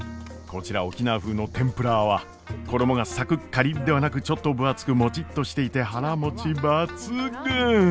こちら沖縄風のてんぷらーは衣がサクッカリッではなくちょっと分厚くもちっとしていて腹もち抜群！